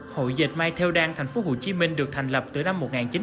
hội dệt may theo đan tp hcm được thành lập từ năm một nghìn chín trăm chín mươi ba